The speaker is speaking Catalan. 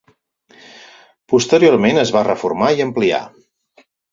Posteriorment es va reformar i ampliar.